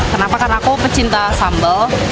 kenapa karena aku pecinta sambal